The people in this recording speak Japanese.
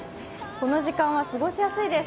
この時間は過ごしやすいです。